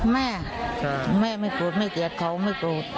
แม่ไม่กลัวไม่เกลียดเขาไม่กลัว